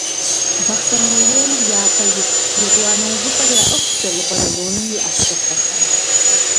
Бахъсэн районыр япэ итщ, етӀуанэ увыпӀэр яӀыгъщ Дзэлыкъуэ районым и Ӏэщыхъуэхэм.